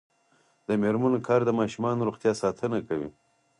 د میرمنو کار د ماشومانو روغتیا ساتنه کوي.